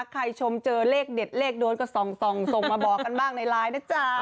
ชมเจอเลขเด็ดเลขโดนก็ส่องส่งมาบอกกันบ้างในไลน์นะจ๊ะ